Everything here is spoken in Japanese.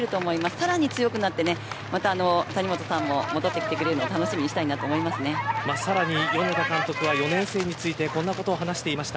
さらに強くなって谷本さんも戻ってきてくれるのをさらに米田監督は４年生についてこんなことを話してました。